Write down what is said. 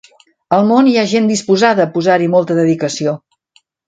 Al món hi ha gent disposada a posar-hi molta dedicació.